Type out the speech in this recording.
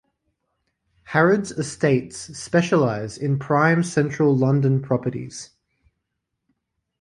Harrods Estates specialise in prime central London properties.